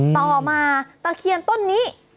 ต่อมาตะเคียนต้นนี้